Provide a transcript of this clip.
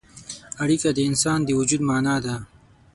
اړیکه د انسان د وجود معنا ده.